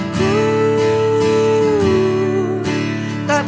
tak berarti tanpamu